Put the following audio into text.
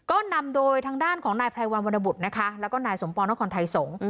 ก็นำโดยทางด้านของนายไพรวันวรรณบุตรนะคะแล้วก็นายสมปองนครไทยสงฆ์